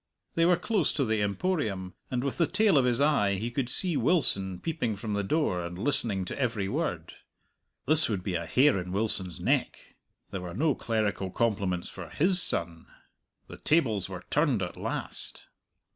They were close to the Emporium, and with the tail of his eye he could see Wilson peeping from the door and listening to every word. This would be a hair in Wilson's neck! There were no clerical compliments for his son! The tables were turned at last.